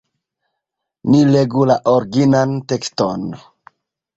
Ni legu la originan tekston.